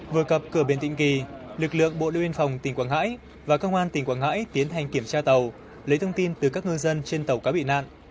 vừa cập cửa biển tịnh kỳ lực lượng bộ đội biên phòng tỉnh quảng ngãi và công an tỉnh quảng ngãi tiến hành kiểm tra tàu lấy thông tin từ các ngư dân trên tàu cá bị nạn